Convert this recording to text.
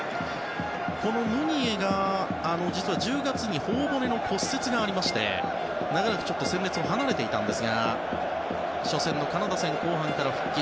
このムニエが実は１０月に頬骨の骨折がありまして長らく戦列を離れていたんですが初戦のカナダ戦、後半から復帰。